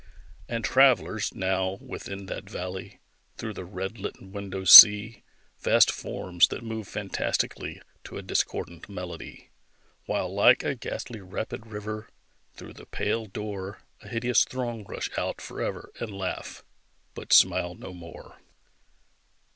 And travellers, now, within that valley, Through the red litten windows see Vast forms, that move fantastically To a discordant melody, While, like a ghastly rapid river, Through the pale door A hideous throng rush out forever And laugh but smile no more.